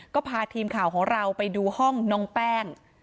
ก็พาทีมข่าวของเราไปดูห้องน้องแป้ง